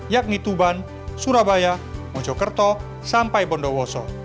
yakni tuban surabaya mojokerto sampai bondowoso